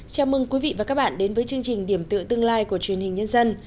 chào mừng quý vị và các bạn đến với chương trình điểm tựa tương lai của truyền hình nhân dân